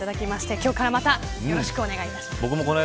今日からまたよろしくお願いします。